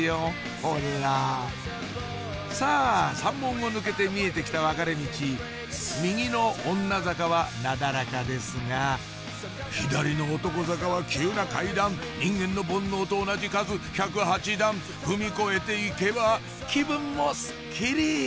ほらさぁ山門を抜けて見えてきた分かれミチ右の女坂はなだらかですが左の男坂は急な階段人間の煩悩と同じ数１０８段踏み越えていけば気分もスッキリ！